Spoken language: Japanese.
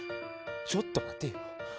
ちょっと待てよ。